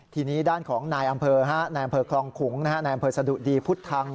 ทีนี้ด้านของนายอำเภอครองขุงนายอำเภอสะดุดีพุทธัง